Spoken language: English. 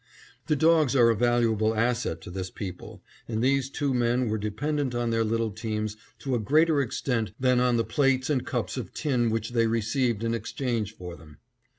The dogs are a valuable asset to this people and these two men were dependent on their little teams to a greater extent than on the plates and cups of tin which they received in exchange for them.